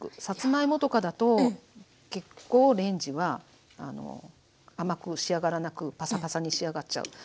さつまいもとかだと結構レンジは甘く仕上がらなくパサパサに仕上がっちゃう。